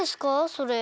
それ。